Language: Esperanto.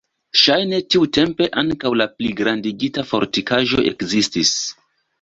Ŝajne tiutempe ankaŭ la pligrandigita fortikaĵo ekzistis.